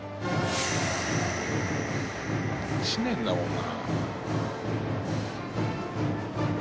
１年だもんな。